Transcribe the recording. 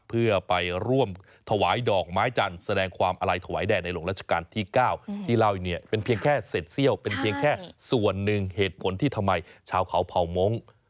เพื่อไปร่วมถวายดอกไม้จันทร์แสดงความอาลัยถวายแด่ในหลวงราชการที่๙ที่เล่าอยู่เนี่ยเป็นเพียงแค่เสร็จเซี่ยวเป็นเพียงแค่ส่วนหนึ่งเหตุผลที่ทำไมชาวเขาเผ่ามงค์